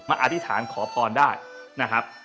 อธิษฐานขอพรได้นะครับ